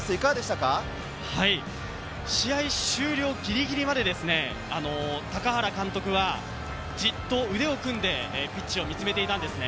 試合終了ぎりぎりまで、高原監督はじっと腕を組んでピッチを見つめていたんですね。